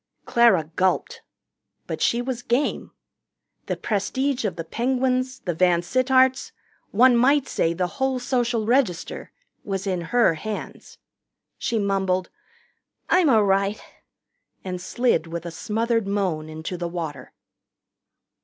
Clara gulped. But she was game. The prestige of the Penguins, the VanSittarts one might say the whole Social Register was in her hands. She mumbled, "I'm a' right," and slid with a smothered moan into the water.